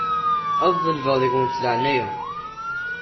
Ad ḍelbeɣ deg-wen leɛnaya.